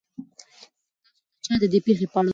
تاسو ته چا د دې پېښو په اړه وویل؟